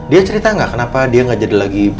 dia cerita nggak kenapa dia gak jadi lagi